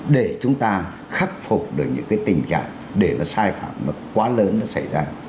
để chúng ta khắc phục được những cái tình trạng để nó sai phạm nó quá lớn nó xảy ra